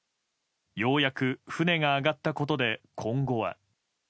ようやく船が上がったことで、今後は。